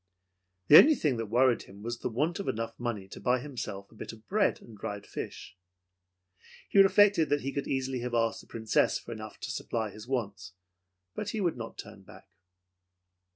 The only thing that worried him was the want of enough money to buy himself a bit of bread and a dried fish. He reflected that he could easily have asked the Princess for enough to supply his wants, but he would not turn back.